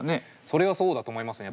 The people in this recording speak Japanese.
それはそうだと思いますね。